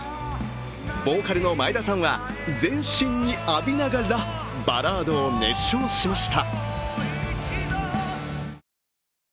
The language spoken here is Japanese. ボーカルの前田さんは全身に浴びながら、バラードを熱唱しました。